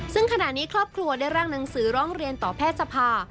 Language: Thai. ซึ่งขณะนี้ครอบครัวได้ร่างหนังสือร้องเรียนต่อแพทย์สภา